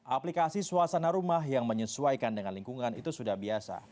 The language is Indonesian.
aplikasi suasana rumah yang menyesuaikan dengan lingkungan itu sudah biasa